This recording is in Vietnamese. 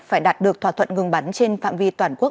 phải đạt được thỏa thuận ngừng bắn trên phạm vi toàn quốc